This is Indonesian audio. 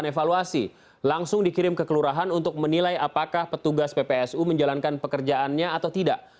dengan evaluasi langsung dikirim ke kelurahan untuk menilai apakah petugas ppsu menjalankan pekerjaannya atau tidak